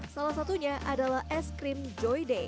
salah satunya adalah es krim joy day